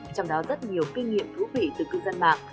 trong đó rất nhiều kinh nghiệm thú vị từ cư dân mạng